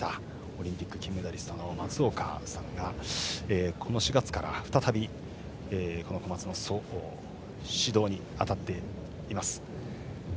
オリンピック金メダリストの松岡さんがこの４月から再びコマツの指導にあたっています。